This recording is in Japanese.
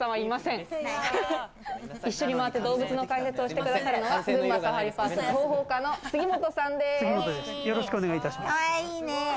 一緒に回って動物の解説をしてくれるのは群馬サファリパーク・広報課の杉本さんです。